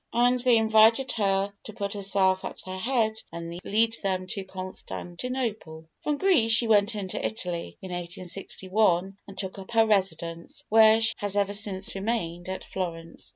And they invited her to put herself at their head and lead them to Constantinople. From Greece she went into Italy, in 1861, and took up her residence, where she has ever since remained, at Florence.